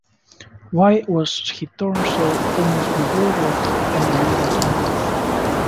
Why was he torn so, almost bewildered, and unable to move?